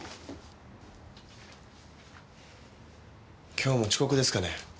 今日も遅刻ですかね？